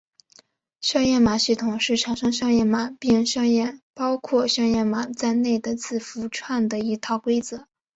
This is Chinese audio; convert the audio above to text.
校验码系统是产生校验码并校验包括校验码在内的字符串的一套规则。